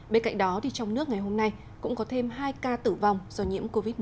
bên cạnh đó trong nước ngày hôm nay cũng có thêm hai ca tử vong do nhiễm covid một mươi chín